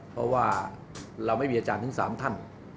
เพราะว่าเราไม่มีอาจารย์ถึง๓ท่าน